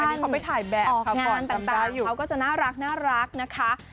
แล้วถ่ายแฟชั่นออกงานต่างเขาก็จะน่ารักนะคะ